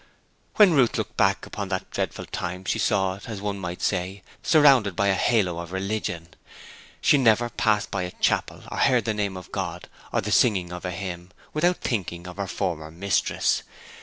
When Ruth looked back upon that dreadful time she saw it, as one might say, surrounded by a halo of religion. She never passed by a chapel or heard the name of God, or the singing of a hymn, without thinking of her former mistress.